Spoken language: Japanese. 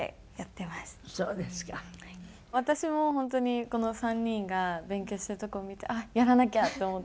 私も本当にこの３人が勉強してるとこを見てあっやらなきゃって思って。